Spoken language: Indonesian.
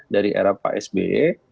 dari era pak sbe